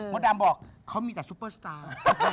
ดำบอกเขามีแต่ซุปเปอร์สตาร์